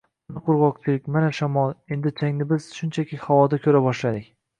Mana qurg‘oqchilik, mana shamol, endi changni biz shunchaki havoda ko‘ra boshladik.